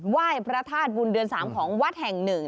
ไหว้พระธาตุบุญเดือน๓ของวัดแห่ง๑